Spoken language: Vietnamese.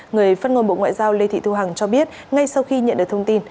người phát ngôn bộ ngoại giao lê thị thu hằng cho biết ngay sau khi nhận được thông tin